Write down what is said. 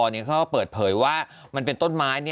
เขาก็เปิดเผยว่ามันเป็นต้นไม้